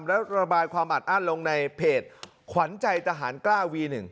แล้วระบายความอัดอั้นลงในเพจขวัญใจทหารกล้าวี๑